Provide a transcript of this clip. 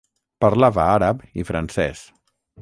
Parlava àrab i francès.